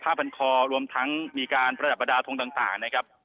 ภาพพันธ์คอร่วมทั้งมีการประดับบระดาษตรงต่างนะครับ